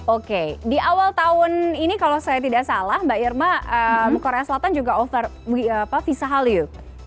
oke di awal tahun ini kalau saya tidak salah mbak irma korea selatan juga over visa hallyu